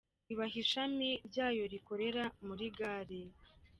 ibaha ishami ryayo rikorera muri gare.